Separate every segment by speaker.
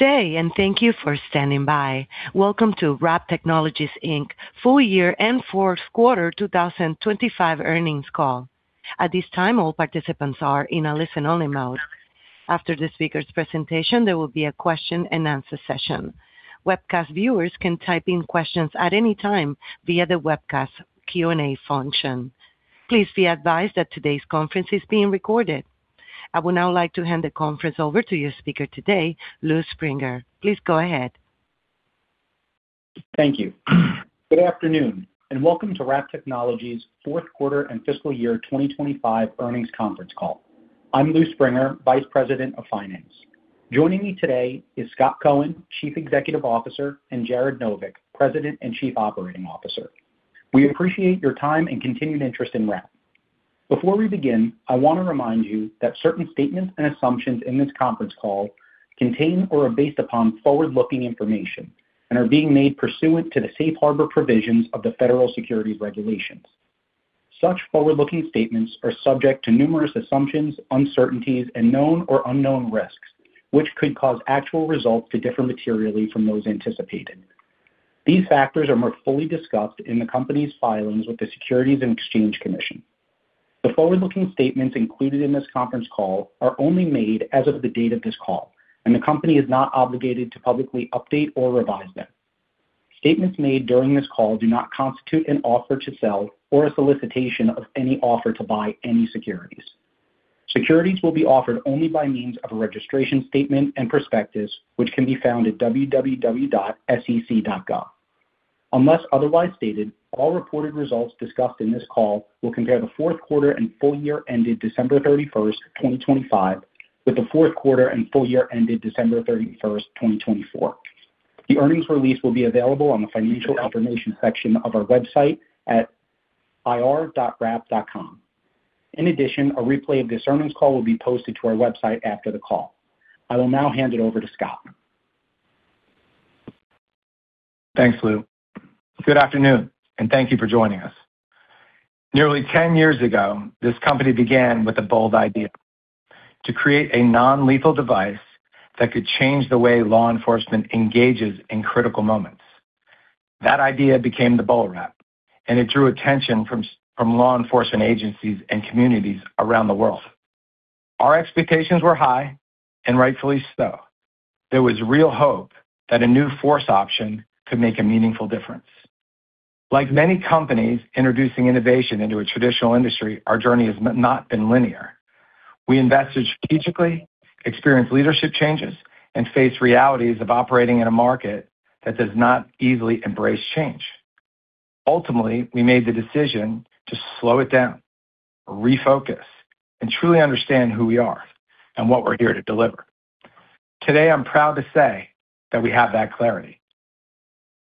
Speaker 1: Good day, and thank you for standing by. Welcome to Wrap Technologies, Inc. full year and fourth quarter 2025 earnings call. At this time, all participants are in a listen-only mode. After the speaker's presentation, there will be a question-and-answer session. Webcast viewers can type in questions at any time via the webcast Q&A function. Please be advised that today's conference is being recorded. I would now like to hand the conference over to your speaker today, Lou Springer. Please go ahead.
Speaker 2: Thank you. Good afternoon, and welcome to Wrap Technologies' fourth quarter and fiscal year 2025 earnings conference call. I'm Lou Springer, Vice President of Finance. Joining me today is Scot Cohen, Chief Executive Officer, and Jared Novick, President and Chief Operating Officer. We appreciate your time and continued interest in Wrap. Before we begin, I wanna remind you that certain statements and assumptions in this conference call contain or are based upon forward-looking information and are being made pursuant to the safe harbor provisions of the federal securities regulations. Such forward-looking statements are subject to numerous assumptions, uncertainties, and known or unknown risks, which could cause actual results to differ materially from those anticipated. These factors are more fully discussed in the company's filings with the Securities and Exchange Commission. The forward-looking statements included in this conference call are only made as of the date of this call, and the company is not obligated to publicly update or revise them. Statements made during this call do not constitute an offer to sell or a solicitation of any offer to buy any securities. Securities will be offered only by means of a registration statement and prospectus, which can be found at sec.gov. Unless otherwise stated, all reported results discussed in this call will compare the fourth quarter and full year ended December 31st, 2025, with the fourth quarter and full year ended December 31st, 2024. The earnings release will be available on the Financial Information section of our website at ir.wrap.com. In addition, a replay of this earnings call will be posted to our website after the call. I will now hand it over to Scot.
Speaker 3: Thanks, Lou. Good afternoon, and thank you for joining us. Nearly ten years ago, this company began with a bold idea, to create a non-lethal device that could change the way law enforcement engages in critical moments. That idea became the BolaWrap, and it drew attention from law enforcement agencies and communities around the world. Our expectations were high, and rightfully so. There was real hope that a new force option could make a meaningful difference. Like many companies introducing innovation into a traditional industry, our journey has not been linear. We invested strategically, experienced leadership changes, and faced realities of operating in a market that does not easily embrace change. Ultimately, we made the decision to slow it down, refocus, and truly understand who we are and what we're here to deliver. Today, I'm proud to say that we have that clarity.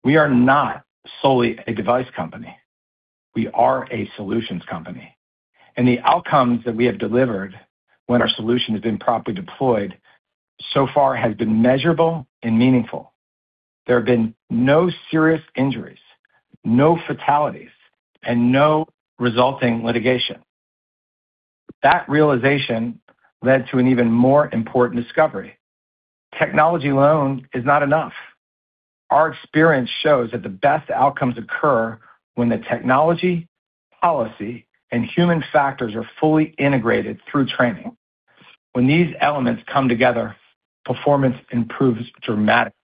Speaker 3: We are not solely a device company. We are a solutions company, and the outcomes that we have delivered when our solution has been properly deployed so far has been measurable and meaningful. There have been no serious injuries, no fatalities, and no resulting litigation. That realization led to an even more important discovery. Technology alone is not enough. Our experience shows that the best outcomes occur when the technology, policy, and human factors are fully integrated through training. When these elements come together, performance improves dramatically.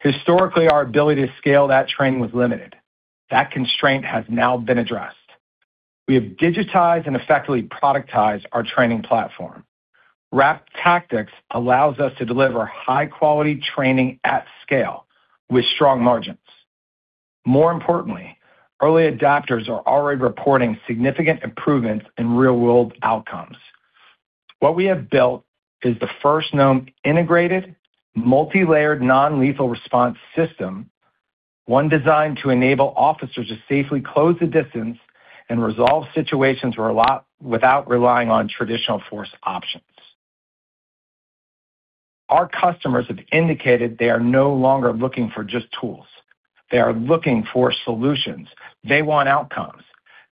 Speaker 3: Historically, our ability to scale that training was limited. That constraint has now been addressed. We have digitized and effectively productized our training platform. WrapTactics allows us to deliver high-quality training at scale with strong margins. More importantly, early adopters are already reporting significant improvements in real-world outcomes. What we have built is the first known integrated multilayered non-lethal response system, one designed to enable officers to safely close the distance and resolve situations without relying on traditional force options. Our customers have indicated they are no longer looking for just tools. They are looking for solutions. They want outcomes.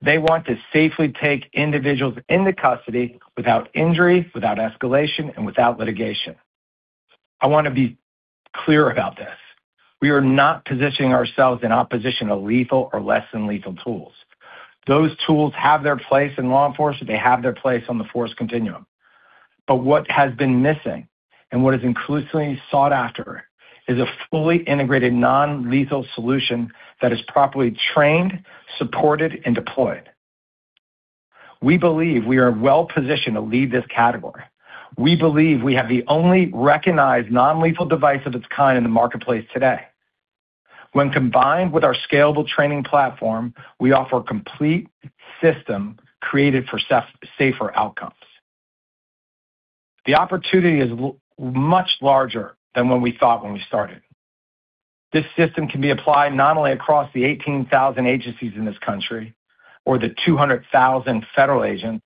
Speaker 3: They want to safely take individuals into custody without injury, without escalation, and without litigation. I wanna be clear about this. We are not positioning ourselves in opposition to lethal or less than lethal tools. Those tools have their place in law enforcement. They have their place on the force continuum. What has been missing and what is increasingly sought after is a fully integrated non-lethal solution that is properly trained, supported, and deployed. We believe we are well-positioned to lead this category. We believe we have the only recognized non-lethal device of its kind in the marketplace today. When combined with our scalable training platform, we offer a complete system created for safer outcomes. The opportunity is much larger than when we thought when we started. This system can be applied not only across the 18,000 agencies in this country or the 200,000 federal agents,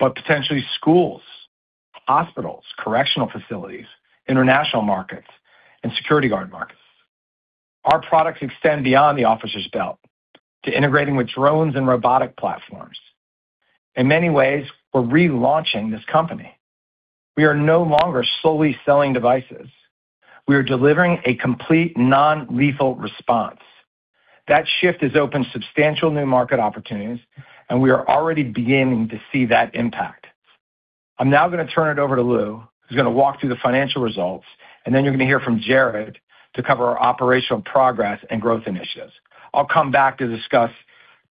Speaker 3: but potentially schools, hospitals, correctional facilities, international markets, and security guard markets. Our products extend beyond the officer's belt to integrating with drones and robotic platforms. In many ways, we're relaunching this company. We are no longer solely selling devices. We are delivering a complete non-lethal response. That shift has opened substantial new market opportunities, and we are already beginning to see that impact. I'm now gonna turn it over to Lou, who's gonna walk through the financial results, and then you're gonna hear from Jared to cover our operational progress and growth initiatives. I'll come back to discuss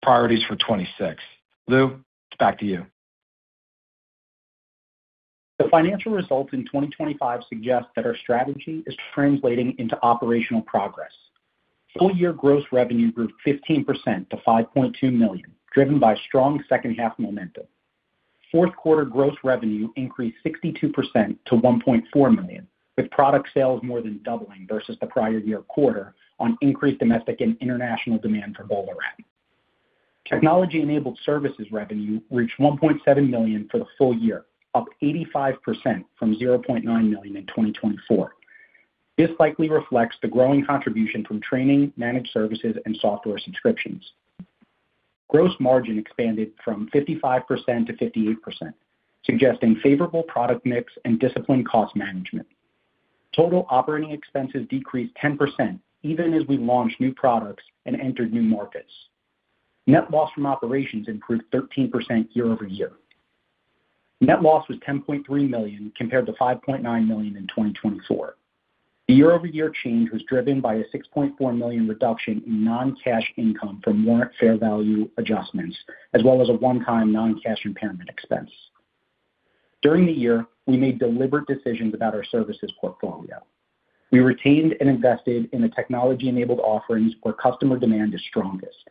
Speaker 3: priorities for 2026. Lou, back to you.
Speaker 2: The financial results in 2025 suggest that our strategy is translating into operational progress. Full year gross revenue grew 15% to $5.2 million, driven by strong second half momentum. Fourth quarter gross revenue increased 62% to $1.4 million, with product sales more than doubling versus the prior year quarter on increased domestic and international demand for BolaWrap. Technology-enabled services revenue reached $1.7 million for the full year, up 85% from $0.9 million in 2024. This likely reflects the growing contribution from training, managed services and software subscriptions. Gross margin expanded from 55%-58%, suggesting favorable product mix and disciplined cost management. Total operating expenses decreased 10% even as we launched new products and entered new markets. Net loss from operations improved 13% year over year. Net loss was $10.3 million compared to $5.9 million in 2024. The year-over-year change was driven by a $6.4 million reduction in non-cash income from warrant fair value adjustments, as well as a one-time non-cash impairment expense. During the year, we made deliberate decisions about our services portfolio. We retained and invested in the technology-enabled offerings where customer demand is strongest: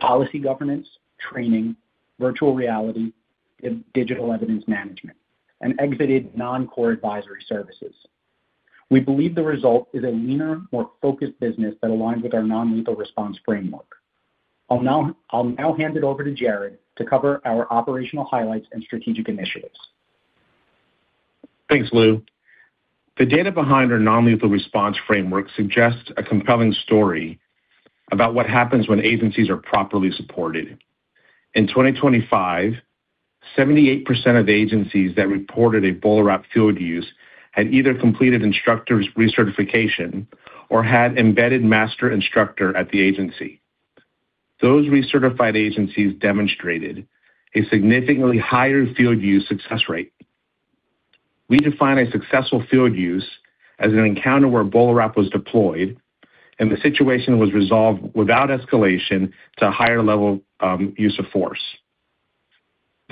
Speaker 2: policy governance, training, virtual reality, and digital evidence management, and exited non-core advisory services. We believe the result is a leaner, more focused business that aligns with our non-lethal response framework. I'll now hand it over to Jared to cover our operational highlights and strategic initiatives.
Speaker 4: Thanks, Lou. The data behind our non-lethal response framework suggests a compelling story about what happens when agencies are properly supported. In 2025, 78% of agencies that reported a BolaWrap field use had either completed instructors recertification or had embedded master instructor at the agency. Those recertified agencies demonstrated a significantly higher field use success rate. We define a successful field use as an encounter where BolaWrap was deployed and the situation was resolved without escalation to higher level use of force.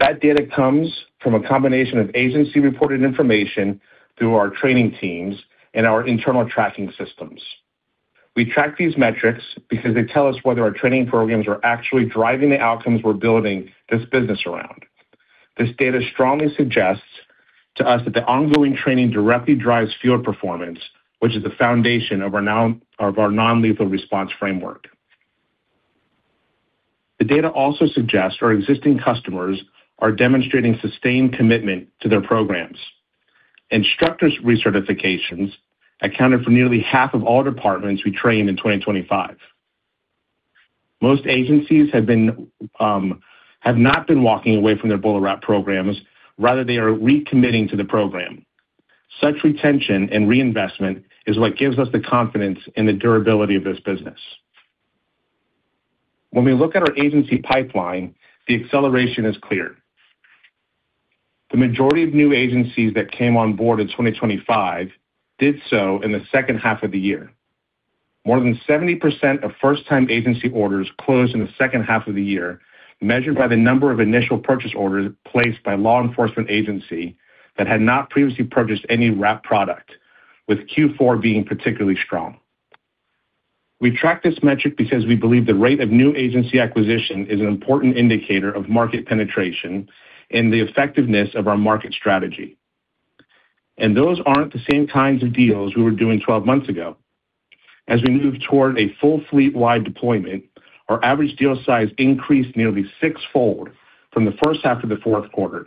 Speaker 4: That data comes from a combination of agency-reported information through our training teams and our internal tracking systems. We track these metrics because they tell us whether our training programs are actually driving the outcomes we're building this business around. This data strongly suggests to us that the ongoing training directly drives field performance, which is the foundation of our non-lethal response framework. The data also suggests our existing customers are demonstrating sustained commitment to their programs. Instructors' recertifications accounted for nearly half of all departments we trained in 2025. Most agencies have not been walking away from their BolaWrap programs, rather they are recommitting to the program. Such retention and reinvestment is what gives us the confidence in the durability of this business. When we look at our agency pipeline, the acceleration is clear. The majority of new agencies that came on board in 2025 did so in the second half of the year. More than 70% of first-time agency orders closed in the second half of the year, measured by the number of initial purchase orders placed by law enforcement agency that had not previously purchased any Wrap product, with Q4 being particularly strong. We track this metric because we believe the rate of new agency acquisition is an important indicator of market penetration and the effectiveness of our market strategy. Those aren't the same kinds of deals we were doing 12 months ago. As we move toward a full fleet-wide deployment, our average deal size increased nearly six-fold from the first half to the fourth quarter,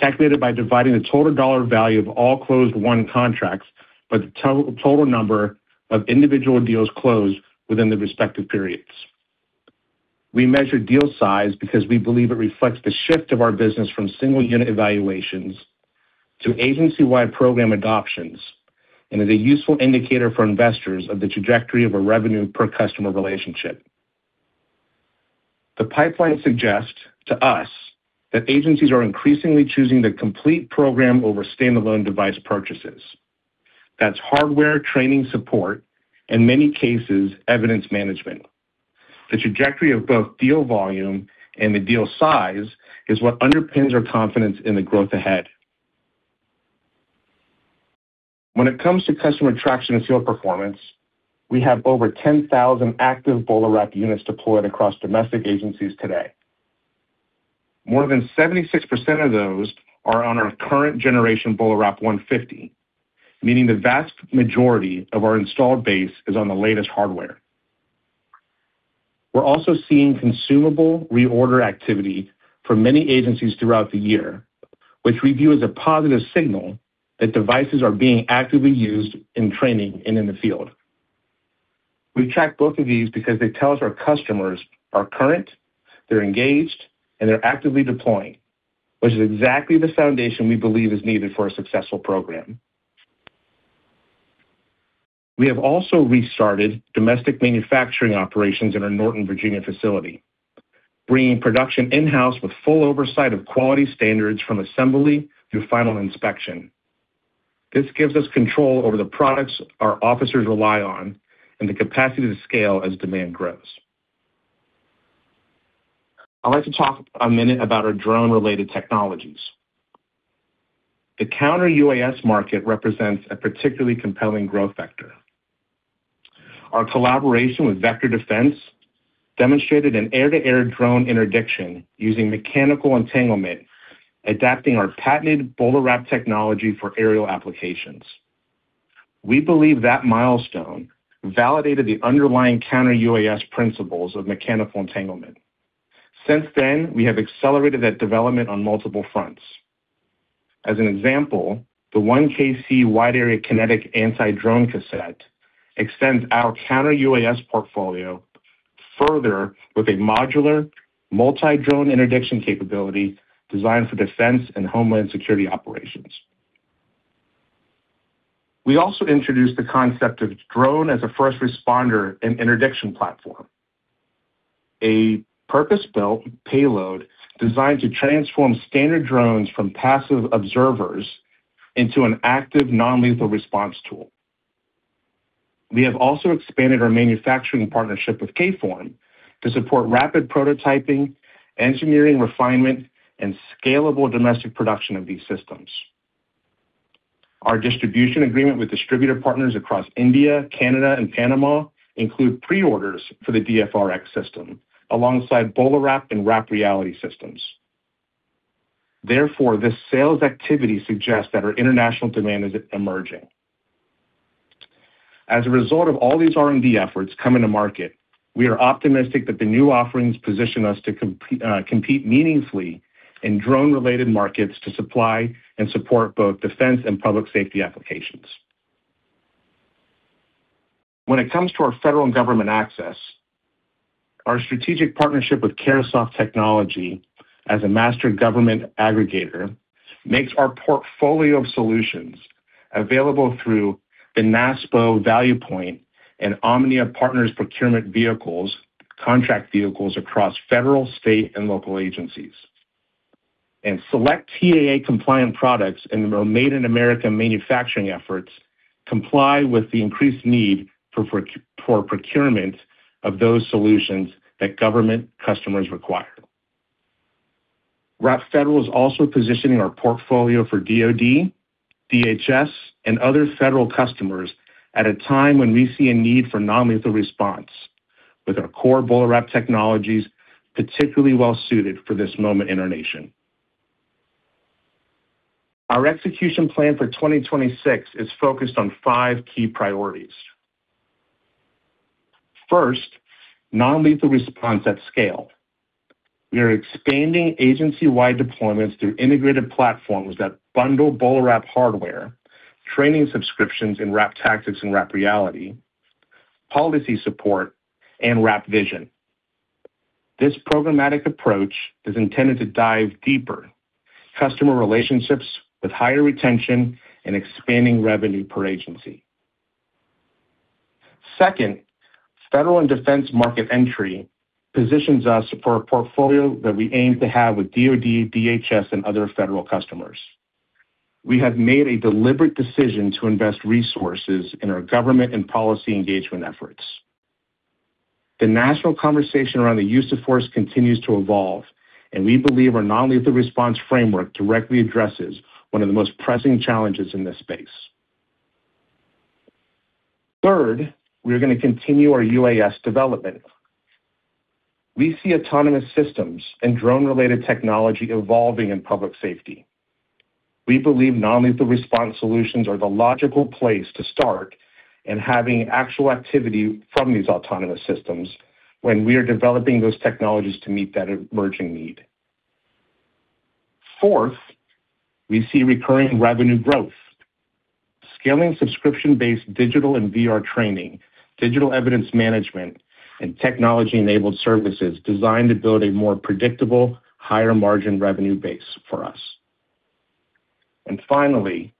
Speaker 4: calculated by dividing the total dollar value of all closed won contracts by the total number of individual deals closed within the respective periods. We measure deal size because we believe it reflects the shift of our business from single unit evaluations to agency-wide program adoptions, and is a useful indicator for investors of the trajectory of a revenue per customer relationship. The pipeline suggests to us that agencies are increasingly choosing the complete program over standalone device purchases. That's hardware, training, support, in many cases, evidence management. The trajectory of both deal volume and the deal size is what underpins our confidence in the growth ahead. When it comes to customer traction and field performance, we have over 10,000 active BolaWrap units deployed across domestic agencies today. More than 76% of those are on our current generation BolaWrap 150, meaning the vast majority of our installed base is on the latest hardware. We're also seeing consumable reorder activity for many agencies throughout the year, which we view as a positive signal that devices are being actively used in training and in the field. We track both of these because they tell us our customers are current, they're engaged, and they're actively deploying, which is exactly the foundation we believe is needed for a successful program. We have also restarted domestic manufacturing operations in our Norton, Virginia facility, bringing production in-house with full oversight of quality standards from assembly through final inspection. This gives us control over the products our officers rely on and the capacity to scale as demand grows. I'd like to talk a minute about our drone-related technologies. The Counter-UAS market represents a particularly compelling growth factor. Our collaboration with Vector demonstrated an air-to-air drone interdiction using mechanical entanglement, adapting our patented BolaWrap technology for aerial applications. We believe that milestone validated the underlying Counter-UAS principles of mechanical entanglement. Since then, we have accelerated that development on multiple fronts. As an example, the 1KC wide area kinetic anti-drone cassette extends our Counter-UAS portfolio further with a modular multi-drone interdiction capability designed for defense and homeland security operations. We also introduced the concept of Drone as a First Responder and interdiction platform, a purpose-built payload designed to transform standard drones from passive observers into an active non-lethal response tool. We have also expanded our manufacturing partnership with K-Form to support rapid prototyping, engineering refinement, and scalable domestic production of these systems. Our distribution agreement with distributor partners across India, Canada, and Panama include pre-orders for the DFR-X system alongside BolaWrap and Wrap Reality systems. Therefore, this sales activity suggests that our international demand is emerging. As a result of all these R&D efforts coming to market, we are optimistic that the new offerings position us to compete meaningfully in drone-related markets to supply and support both defense and public safety applications. When it comes to our federal and government access, our strategic partnership with Carahsoft Technology as a master government aggregator makes our portfolio of solutions available through the NASPO ValuePoint and OMNIA Partners procurement vehicles, contract vehicles across federal, state, and local agencies. Select TAA compliant products in our Made in America manufacturing efforts comply with the increased need for procurement of those solutions that government customers require. Wrap Federal is also positioning our portfolio for DoD, DHS, and other federal customers at a time when we see a need for non-lethal response with our core BolaWrap technologies, particularly well-suited for this moment in our nation. Our execution plan for 2026 is focused on five key priorities. First, non-lethal response at scale. We are expanding agency-wide deployments through integrated platforms that bundle BolaWrap hardware, training subscriptions in WrapTactics and Wrap Reality, policy support, and WrapVision. This programmatic approach is intended to dive deeper customer relationships with higher retention and expanding revenue per agency. Second, federal and defense market entry positions us for a portfolio that we aim to have with DoD, DHS, and other federal customers. We have made a deliberate decision to invest resources in our government and policy engagement efforts. The national conversation around the use of force continues to evolve, and we believe our non-lethal response framework directly addresses one of the most pressing challenges in this space. Third, we're gonna continue our UAS development. We see autonomous systems and drone-related technology evolving in public safety. We believe non-lethal response solutions are the logical place to start in having actual activity from these autonomous systems when we are developing those technologies to meet that emerging need. Fourth, we see recurring revenue growth. Scaling subscription-based digital and VR training, digital evidence management, and technology-enabled services designed to build a more predictable, higher margin revenue base for us. Finally,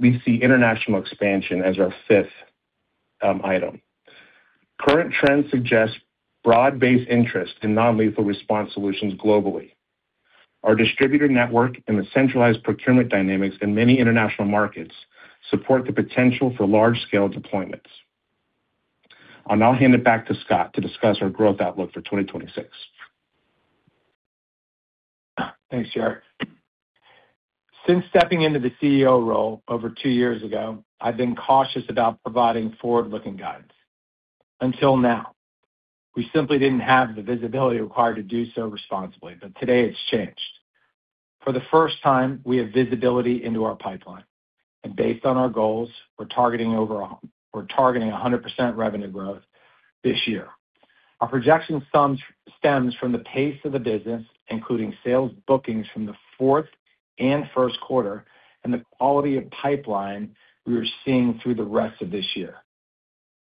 Speaker 4: we see international expansion as our fifth item. Current trends suggest broad-based interest in non-lethal response solutions globally. Our distributor network and the centralized procurement dynamics in many international markets support the potential for large-scale deployments. I'll now hand it back to Scot to discuss our growth outlook for 2026.
Speaker 3: Thanks, Jared. Since stepping into the CEO role over two years ago, I've been cautious about providing forward-looking guidance until now. We simply didn't have the visibility required to do so responsibly, but today it's changed. For the first time, we have visibility into our pipeline. Based on our goals, we're targeting 100% revenue growth this year. Our projection stems from the pace of the business, including sales bookings from the fourth and first quarter, and the quality of pipeline we are seeing through the rest of this year.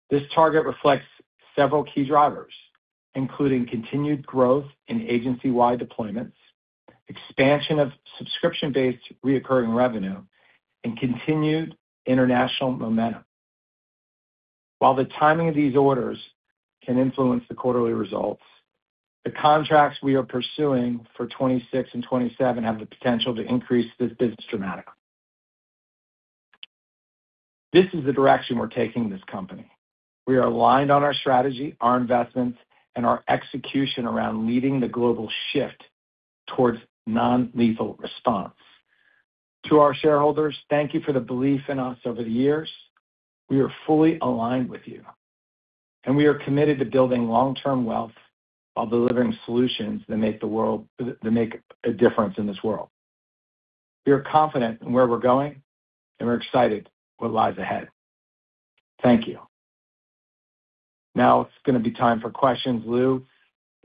Speaker 3: This target reflects several key drivers, including continued growth in agency-wide deployments, expansion of subscription-based recurring revenue, and continued international momentum. While the timing of these orders can influence the quarterly results, the contracts we are pursuing for 2026 and 2027 have the potential to increase this business dramatically. This is the direction we're taking this company. We are aligned on our strategy, our investments, and our execution around leading the global shift towards non-lethal response. To our shareholders, thank you for the belief in us over the years. We are fully aligned with you, and we are committed to building long-term wealth while delivering solutions that make a difference in this world. We are confident in where we're going, and we're excited what lies ahead. Thank you. Now it's gonna be time for questions. Lou,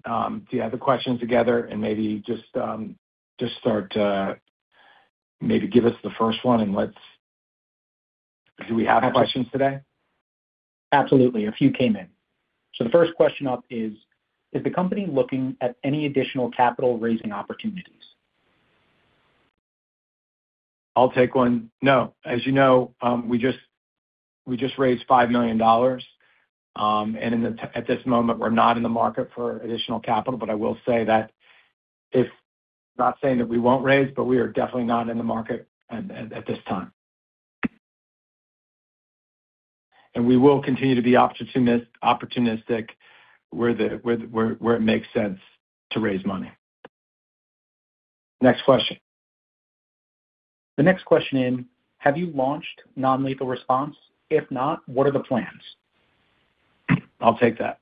Speaker 3: do you have the questions together and maybe just start to maybe give us the first one and let's. Do we have questions today?
Speaker 2: Absolutely. A few came in. The first question up is the company looking at any additional capital raising opportunities?
Speaker 3: I'll take one. No. As you know, we just raised $5 million. At this moment we're not in the market for additional capital. I will say that. Not saying that we won't raise, but we are definitely not in the market at this time. We will continue to be opportunistic where it makes sense to raise money. Next question.
Speaker 2: The next question is: Have you launched non-lethal response? If not, what are the plans?
Speaker 3: I'll take that.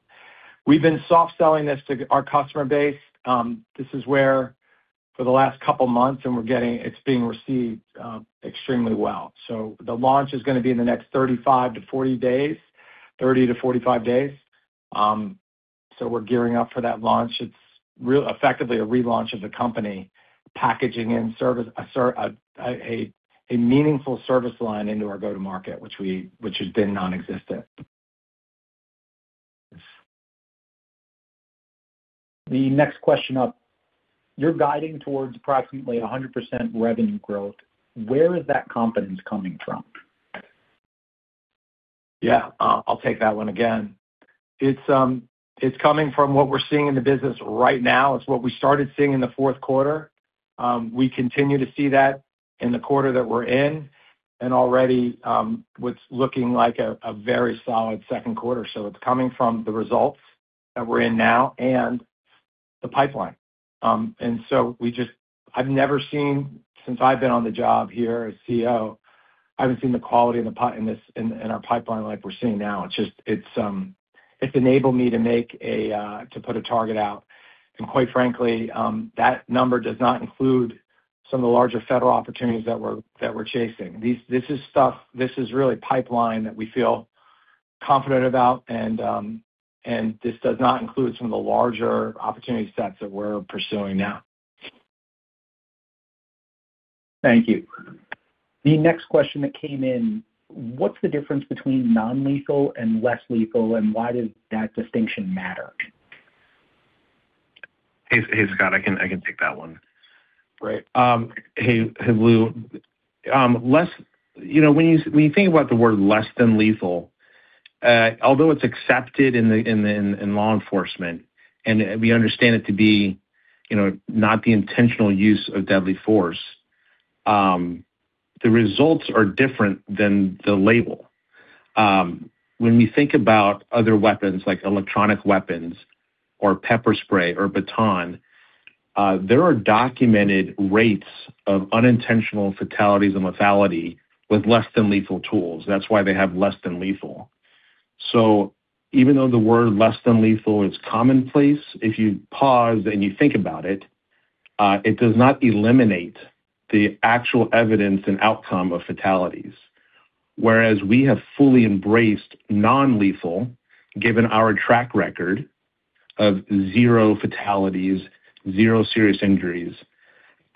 Speaker 3: We've been soft selling this to our customer base for the last couple of months, and it's being received extremely well. The launch is gonna be in the next 30-45 days. We're gearing up for that launch. It's effectively a relaunch of the company, packaging in service, a meaningful service line into our go-to-market, which has been nonexistent.
Speaker 2: The next question up. You're guiding towards approximately 100% revenue growth. Where is that confidence coming from?
Speaker 3: Yeah. I'll take that one again. It's coming from what we're seeing in the business right now. It's what we started seeing in the fourth quarter. We continue to see that in the quarter that we're in. Already, what's looking like a very solid second quarter. It's coming from the results that we're in now and the pipeline. I've never seen, since I've been on the job here as CEO, I haven't seen the quality in our pipeline like we're seeing now. It's just. It's enabled me to put a target out. Quite frankly, that number does not include some of the larger federal opportunities that we're chasing. This is stuff, this is really pipeline that we feel confident about and this does not include some of the larger opportunity sets that we're pursuing now.
Speaker 2: Thank you. The next question that came in: What's the difference between non-lethal and less lethal, and why does that distinction matter?
Speaker 4: Hey, Scot, I can take that one.
Speaker 3: Great.
Speaker 4: Hey, Lou. You know, when you think about the word less than lethal, although it's accepted in law enforcement, and we understand it to be, you know, not the intentional use of deadly force, the results are different than the label. When we think about other weapons, like electronic weapons or pepper spray or baton, there are documented rates of unintentional fatalities and lethality with less than lethal tools. That's why they have less than lethal. Even though the word less than lethal is commonplace, if you pause and you think about it does not eliminate the actual evidence and outcome of fatalities. Whereas we have fully embraced non-lethal, given our track record of zero fatalities, zero serious injuries.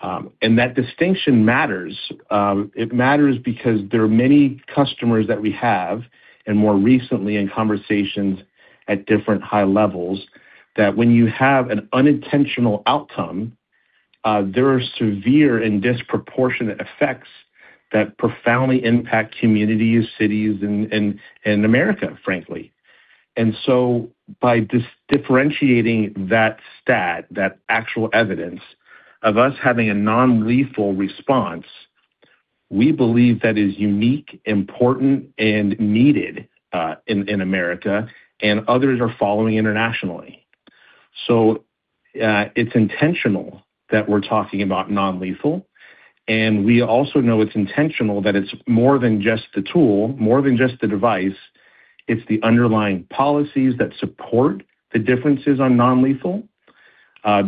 Speaker 4: And that distinction matters. It matters because there are many customers that we have, and more recently in conversations at different high levels, that when you have an unintentional outcome, there are severe and disproportionate effects that profoundly impact communities, cities, and America, frankly. By differentiating that stat, that actual evidence of us having a non-lethal response, we believe that is unique, important, and needed, in America, and others are following internationally. It's intentional that we're talking about non-lethal, and we also know it's intentional that it's more than just the tool, more than just the device. It's the underlying policies that support the differences on non-lethal,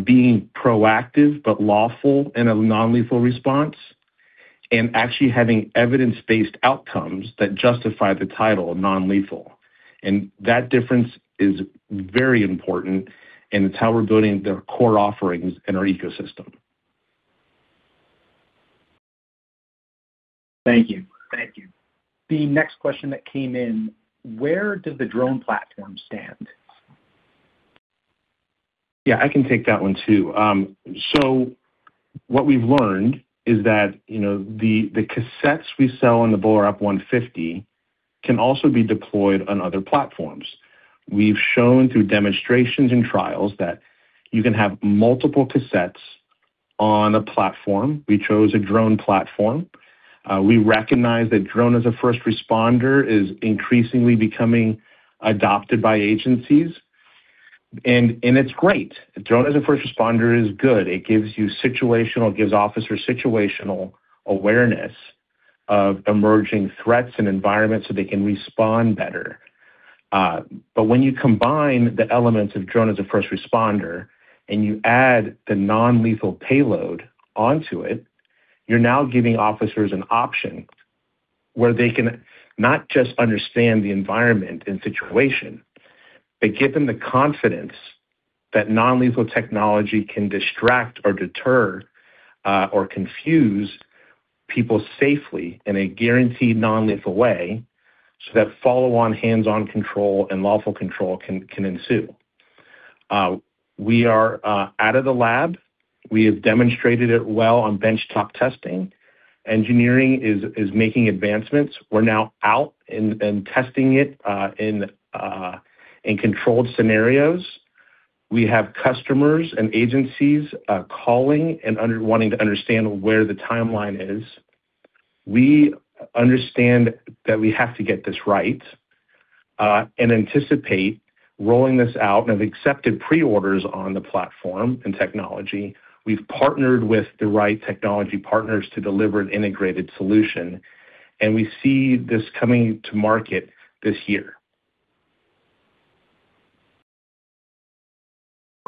Speaker 4: being proactive but lawful in a non-lethal response, and actually having evidence-based outcomes that justify the title of non-lethal. That difference is very important, and it's how we're building their core offerings in our ecosystem.
Speaker 2: Thank you. The next question that came in: Where does the drone platform stand?
Speaker 4: Yeah, I can take that one too. What we've learned is that, you know, the cassettes we sell on the BolaWrap 150 can also be deployed on other platforms. We've shown through demonstrations and trials that you can have multiple cassettes on a platform. We chose a drone platform. We recognize that Drone as a First Responder is increasingly becoming adopted by agencies. It's great. Drone as a First Responder is good. It gives officers situational awareness of emerging threats and environments so they can respond better. When you combine the elements of Drone as a First Responder and you add the non-lethal payload onto it, you're now giving officers an option where they can not just understand the environment and situation, but give them the confidence that non-lethal technology can distract or deter or confuse people safely in a guaranteed non-lethal way, so that follow-on hands-on control and lawful control can ensue. We are out of the lab. We have demonstrated it well on bench-top testing. Engineering is making advancements. We're now out and testing it in controlled scenarios. We have customers and agencies calling and wanting to understand where the timeline is. We understand that we have to get this right and anticipate rolling this out and have accepted pre-orders on the platform and technology. We've partnered with the right technology partners to deliver an integrated solution, and we see this coming to market this year.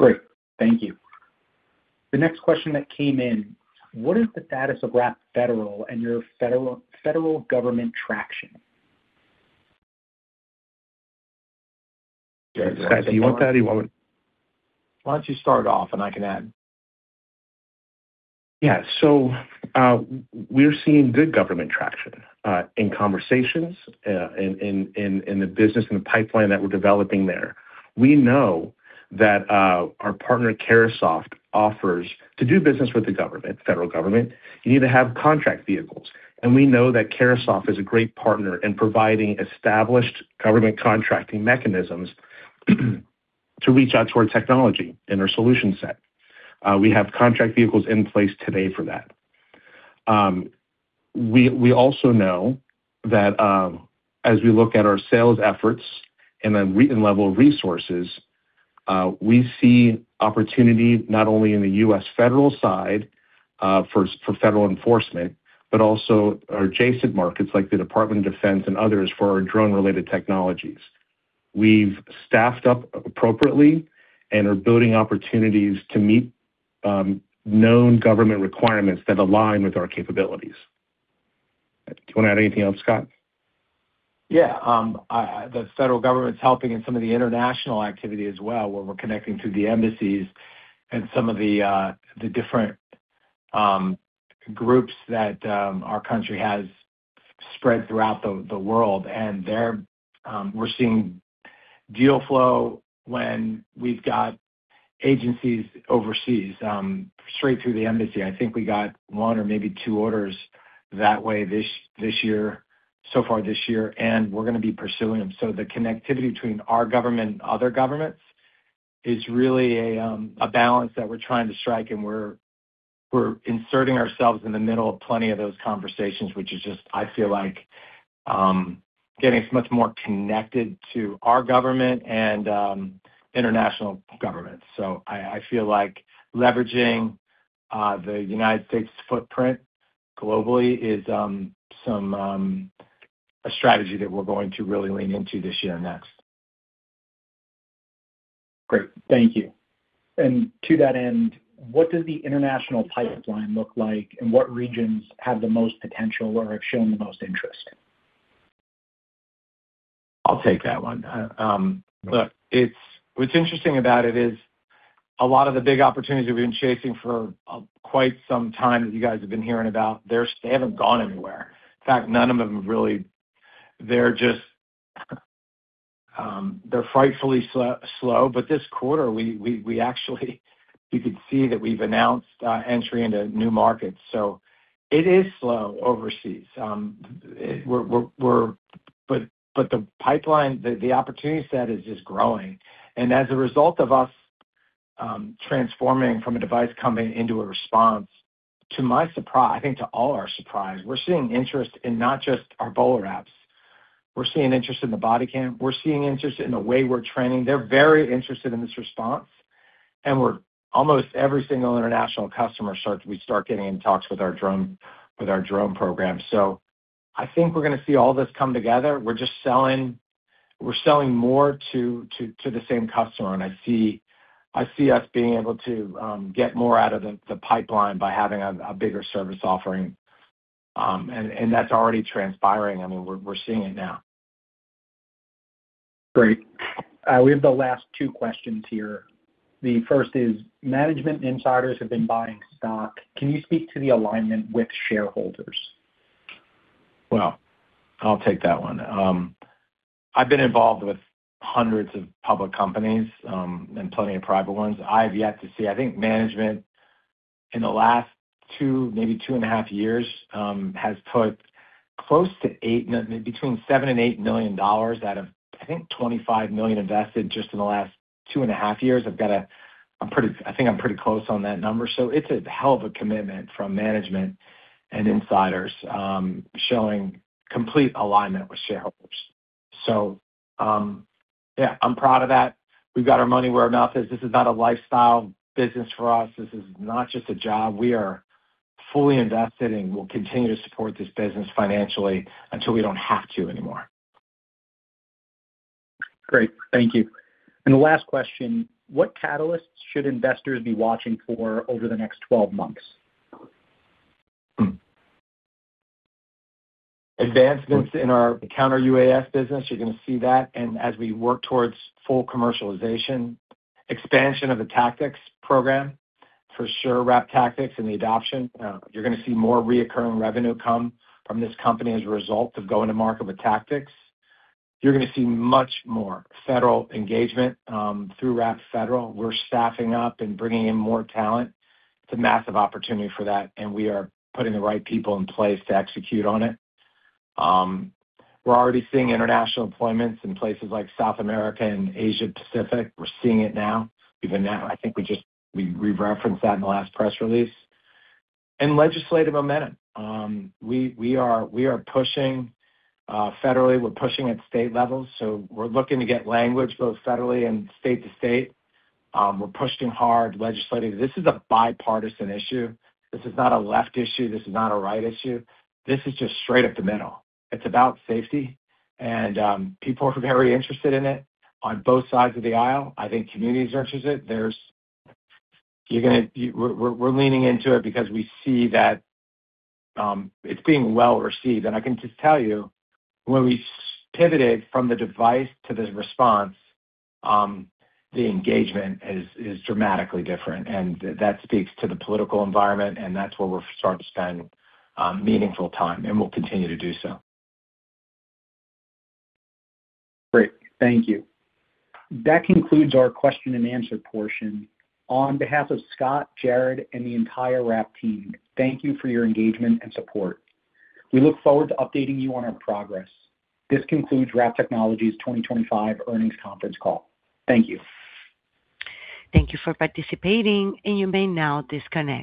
Speaker 2: Great. Thank you. The next question that came in: What is the status of Wrap Federal and your federal government traction?
Speaker 4: Scot, do you want that or you want me?
Speaker 3: Why don't you start off and I can add?
Speaker 4: We're seeing good government traction in conversations in the business and the pipeline that we're developing there. We know that our partner Carahsoft offers to do business with the government, federal government, you need to have contract vehicles, and we know that Carahsoft is a great partner in providing established government contracting mechanisms to reach out to our technology and our solution set. We have contract vehicles in place today for that. We also know that as we look at our sales efforts and level of resources, we see opportunity not only in the U.S. federal side for federal enforcement, but also adjacent markets like the Department of Defense and others for our drone-related technologies. We've staffed up appropriately and are building opportunities to meet known government requirements that align with our capabilities. Do you wanna add anything else, Scot?
Speaker 3: Yeah. The federal government's helping in some of the international activity as well, where we're connecting to the embassies and some of the different groups that our country has spread throughout the world. We're seeing deal flow when we've got agencies overseas straight through the embassy. I think we got one or maybe two orders that way this year, so far this year, and we're gonna be pursuing them. The connectivity between our government and other governments is really a balance that we're trying to strike, and we're inserting ourselves in the middle of plenty of those conversations, which is just, I feel like, getting us much more connected to our government and international governments. I feel like leveraging the United States' footprint globally is a strategy that we're going to really lean into this year and next.
Speaker 2: Great. Thank you. To that end, what does the international pipeline look like, and what regions have the most potential or have shown the most interest?
Speaker 3: I'll take that one. Look, what's interesting about it is a lot of the big opportunities we've been chasing for quite some time that you guys have been hearing about, they haven't gone anywhere. In fact, none of them have really. They're just frightfully slow, but this quarter we actually you could see that we've announced entry into new markets. So it is slow overseas. We're but the pipeline, the opportunity set is just growing. As a result of us transforming from a device company into a response, I think to all our surprise, we're seeing interest in not just our BolaWraps. We're seeing interest in the body cam. We're seeing interest in the way we're training. They're very interested in this response. We start getting in talks with our drone program. I think we're gonna see all this come together. We're just selling more to the same customer. I see us being able to get more out of the pipeline by having a bigger service offering. That's already transpiring. I mean, we're seeing it now.
Speaker 2: Great. We have the last two questions here. The first is, management insiders have been buying stock. Can you speak to the alignment with shareholders?
Speaker 3: Well, I'll take that one. I've been involved with hundreds of public companies, and plenty of private ones. I've yet to see. I think management in the last two years, maybe two and a half years, has put close to $8 million, between $7 million and $8 million out of, I think, $25 million invested just in the last two and a half years. I'm pretty close on that number. It's a hell of a commitment from management and insiders, showing complete alignment with shareholders. Yeah, I'm proud of that. We've got our money where our mouth is. This is not a lifestyle business for us. This is not just a job. We are fully invested, and we'll continue to support this business financially until we don't have to anymore.
Speaker 2: Great. Thank you. The last question, what catalysts should investors be watching for over the next 12 months?
Speaker 3: Advancements in our Counter-UAS business, you're gonna see that. As we work towards full commercialization, expansion of the tactics program, for sure, WrapTactics and the adoption. You're gonna see more recurring revenue come from this company as a result of going to market with tactics. You're gonna see much more federal engagement through Wrap Federal. We're staffing up and bringing in more talent. It's a massive opportunity for that, and we are putting the right people in place to execute on it. We're already seeing international deployments in places like South America and Asia Pacific. We're seeing it now. Even now, I think we just referenced that in the last press release. Legislative momentum. We are pushing federally. We're pushing at state levels. We're looking to get language both federally and state to state. We're pushing hard legislatively. This is a bipartisan issue. This is not a left issue. This is not a right issue. This is just straight up the middle. It's about safety. People are very interested in it on both sides of the aisle. I think communities are interested. We're leaning into it because we see that it's being well received. I can just tell you, when we pivoted from the device to this response, the engagement is dramatically different. That speaks to the political environment, and that's where we're starting to spend meaningful time, and we'll continue to do so.
Speaker 2: Great. Thank you. That concludes our question and answer portion. On behalf of Scot, Jared, and the entire Wrap team, thank you for your engagement and support. We look forward to updating you on our progress. This concludes Wrap Technologies's 2025 earnings conference call. Thank you.
Speaker 1: Thank you for participating, and you may now disconnect.